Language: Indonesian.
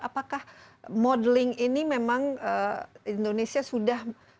apakah modeling ini memang indonesia sudah